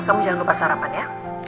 kamu jangan lupa sarapan ya